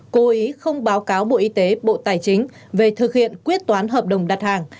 cố ý không báo cáo bộ y tế bộ tài chính về thực hiện quyết toán hợp đồng đặt hàng